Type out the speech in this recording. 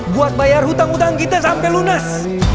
buat bayar hutang hutang kita sampe lunes